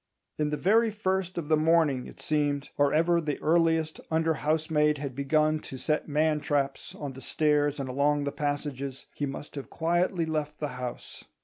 In the very first of the morning, it seemed, or ever the earliest under housemaid had begun to set man traps on the stairs and along the passages, he must have quietly left the house.